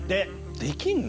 できんの？